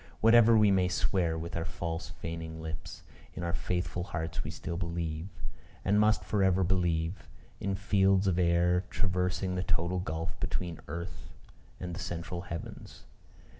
Whatever we may swear with our false feigning lips, in our faithful hearts we still believe, and must for ever believe, in fields of air traversing the total gulf between earth and the central heavens.